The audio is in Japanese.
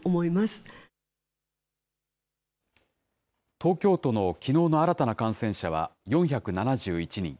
東京都のきのうの新たな感染者は４７１人。